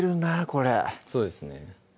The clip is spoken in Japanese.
これそうですね